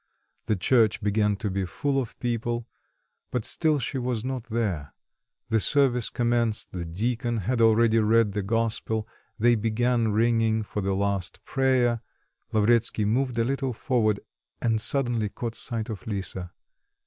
The church began to be full of people; but still she was not there. The service commenced, the deacon had already read the gospel, they began ringing for the last prayer; Lavretsky moved a little forward and suddenly caught sight of Lisa.